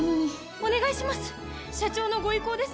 お願いします！